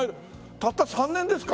たった３年ですか？